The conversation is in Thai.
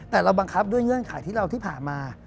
แต่เราบังคับด้วยเงื่อนไขที่เราที่ผ่านมา